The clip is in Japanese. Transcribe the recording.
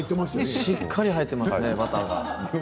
しっかり入っていますねバターが。